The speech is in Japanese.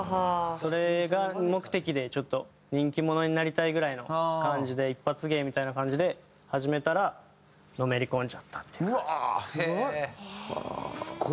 それが目的でちょっと人気者になりたいぐらいの感じで一発芸みたいな感じで始めたらのめり込んじゃったっていう感じです。